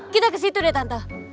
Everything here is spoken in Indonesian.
kita kesitu deh tante